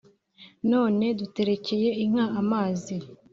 none duterekeye inka amazi